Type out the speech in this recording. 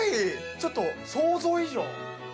ちょっと想像以上。